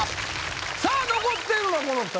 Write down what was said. さあ残っているのはこのお二人。